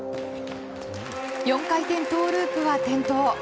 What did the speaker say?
４回転トウループは転倒。